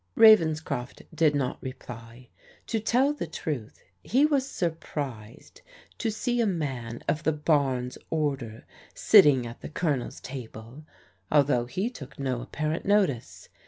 Ravenscroft did not reply. To tell the truth he was surprised to see a man of the Barnes order, sitting at the Colonel's table, although he took no apparent notice.